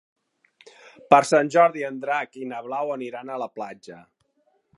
Per Sant Jordi en Drac i na Blau aniran a la platja.